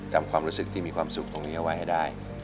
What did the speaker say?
ความรู้สึกที่มีความสุขตรงนี้เอาไว้ให้ได้